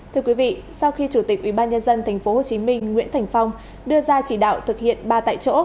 thưa quý vị sau khi chủ tịch ubnd tp hcm nguyễn thành phong đưa ra chỉ đạo thực hiện ba tại chỗ